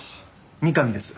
三上です。